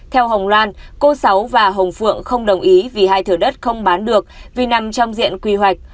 theo hồng loan cô sáu và hồng phượng không đồng ý vì hai thửa đất không bán được vì nằm trong diện quy hoạch